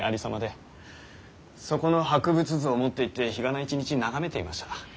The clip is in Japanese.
そこの博物図を持っていって日がな一日眺めていました。